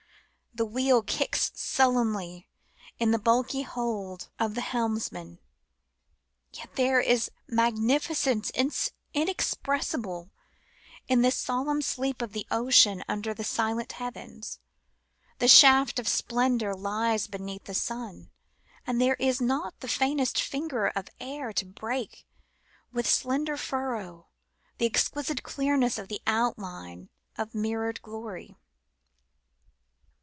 The wheel kicks sullenly in the Bulky hold of the helms 0ALM8 AND SEAS. ^ 127 man. Yet there is magnificence inexpressible in this solemn sleep of the ocean under the silent heavens. A shaft of splendour lies beneath the sun, and there is not the faintest finger of air to break with slender furrow the exquisite clearness of the outline of mirrored glory.